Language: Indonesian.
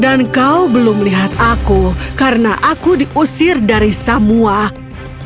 dan kau belum melihat aku karena aku diusir dari siapapun